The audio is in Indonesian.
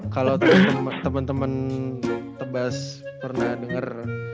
kalau temen temen tebas pernah denger